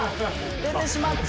出てしまった。